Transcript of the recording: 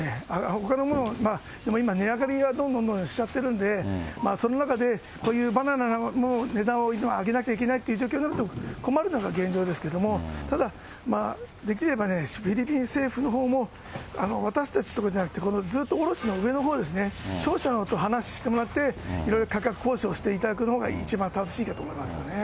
ほかのものも、でも、今、値上がりはどんどんしちゃってるんで、その中でこういうバナナも値段を上げなきゃいけないとなると困るのが現状ですけれども、ただ、できればフィリピン政府のほうも、私たちとかじゃなくて、ずっと卸しの上のほうですね、商社と話してもらって、いろいろ価格交渉をしていただくのが一番いいと思いますね。